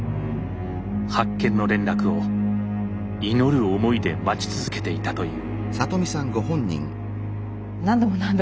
発見の連絡を祈る思いで待ち続けていたという。